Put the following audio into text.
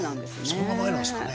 そんな前なんですかね。